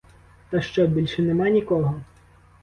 Та що, більше нема нікого?